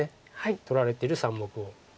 取られてる３目を。